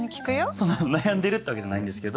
そんな悩んでるってわけじゃないんですけど。